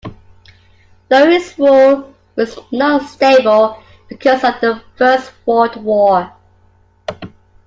Though his rule was not stable because of the First World War.